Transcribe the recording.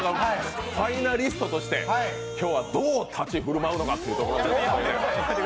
ファイナリストとして今日はどう立ち振る舞うのかというところが。